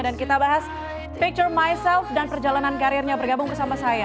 dan kita bahas picture myself dan perjalanan karirnya bergabung bersama saya